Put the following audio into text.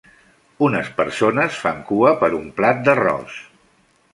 Unes persones fan cua per un plat d'arròs